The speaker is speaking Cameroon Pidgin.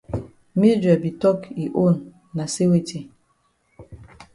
Mildred be di tok yi own na say weti?